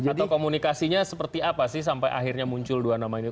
atau komunikasinya seperti apa sih sampai akhirnya muncul dua nama ini